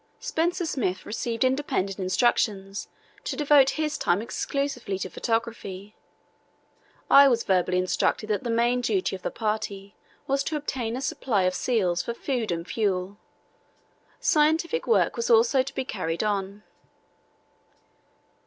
Spencer Smith received independent instructions to devote his time exclusively to photography. I was verbally instructed that the main duty of the party was to obtain a supply of seals for food and fuel. Scientific work was also to be carried on.